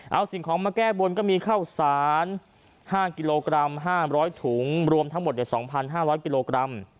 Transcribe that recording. เอาสิ่งของมาแก้บนก็มีข้าวสารห้ากิโลกรัมห้าร้อยถุงรวมทั้งหมดอย่างสองพันห้าร้อยกิโลกรัม